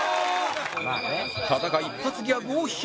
多田が一発ギャグを披露